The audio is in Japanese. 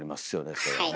それはね。